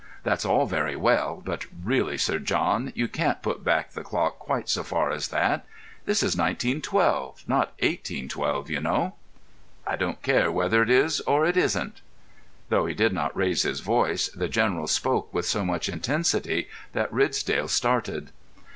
"That's all very well; but, really, Sir John, you can't put back the clock quite so far as that. This is 1912, not 1812, you know." "I don't care whether it is or it isn't." Though he did not raise his voice, the General spoke with so much intensity that Ridsdale started.